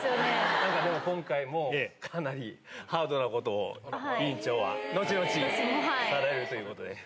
なんか、今回もかなりハードなことを、委員長は、後々されるということで。